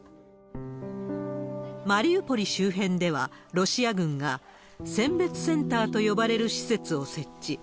マリウポリ周辺では、ロシア軍が選別センターと呼ばれる施設を設置。